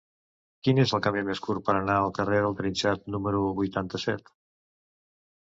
Quin és el camí més curt per anar al carrer de Trinxant número vuitanta-set?